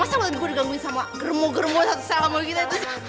masa gue udah digangguin sama germo germo satu satu sama kita